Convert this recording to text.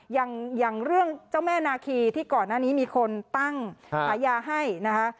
อย่างเรื่องเจ้าแม่นาคีที่ก่อนหน้านี้มีคนตั้งฉายาให้นะคะ